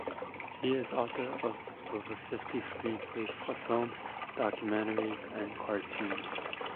He is author of over fifty screenplays for films, documentaries and cartoons.